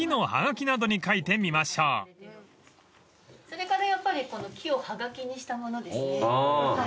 それからやっぱりこの木をはがきにしたものですね。